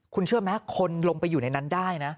คุณเชื่อไหมคนลงไปอยู่ในนั้นได้นะ